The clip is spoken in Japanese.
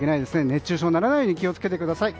熱中症にならないように気を付けてください。